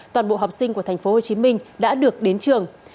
toàn bộ học sinh của tp hcm đã được đến trường